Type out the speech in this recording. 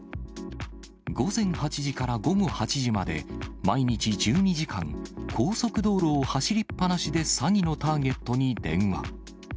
午前８時から午後８時まで、毎日１２時間、高速道路を走りっぱなしで詐欺のターゲットに電話。